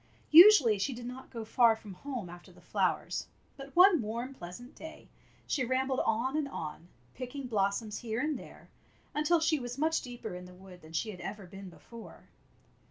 Usually she did not go far from home after the flowers, but one warm, pleasant day she rambled on and on, picking blossoms here and there, until she was much deeper in the wood than she had ever been before.